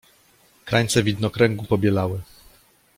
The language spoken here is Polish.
Krańce widnokręgu pobielały.